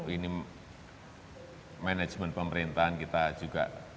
ini manajemen pemerintahan kita juga